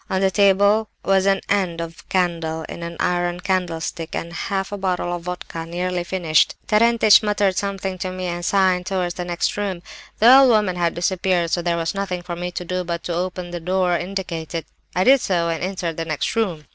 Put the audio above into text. On the table was an end of candle in an iron candlestick, and a half bottle of vodka, nearly finished. Terentich muttered something to me, and signed towards the next room. The old woman had disappeared, so there was nothing for me to do but to open the door indicated. I did so, and entered the next room.